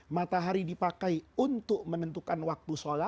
matahari dipakai untuk menentukan waktu sholat